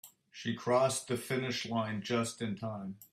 She crossed the finish line just in time.